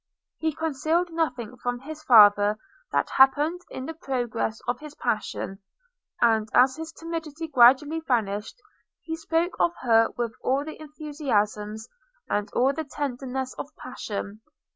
He concealed nothing from his father that happened in the progress of his passion; and as his timidity gradually vanished, he spoke of her with all the enthusiasm and all the tenderness of passion.